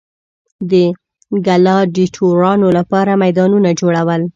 د ګلاډیټورانو لپاره میدانونه جوړول.